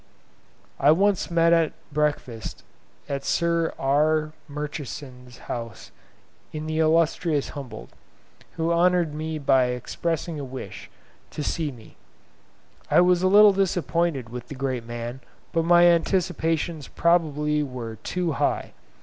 I once met at breakfast at Sir R. Murchison's house the illustrious Humboldt, who honoured me by expressing a wish to see me. I was a little disappointed with the great man, but my anticipations probably were too high.